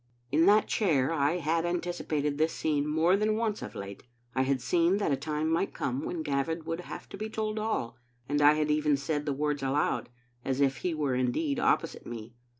In that chair I had anticipated this scene more than once of late. I had seen that a time might come when Gavin would have to be told all, and I had even said the words aloud, as if he were indeed opposite me.